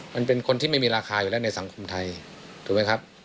เป็นคนที่ไม่มีราคาอยู่แล้วในสังคมไทยถูกไหมครับ